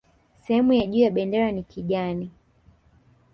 Sehemu ya juu ya bendera ni kijani